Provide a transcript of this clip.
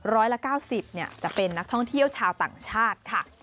ร้อยละ๙๐จะเป็นนักท่องเที่ยวชาวต่างชาติค่ะ